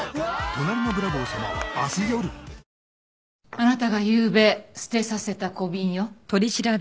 あなたがゆうべ捨てさせた小瓶よ。